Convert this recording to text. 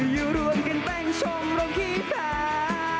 อยู่รวมกันแปลงชมโรงคี่แผน